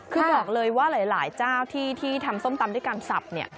คือบอกเลยว่าหลายเจ้าที่ทำส้มตำด้วยการสับเนี่ย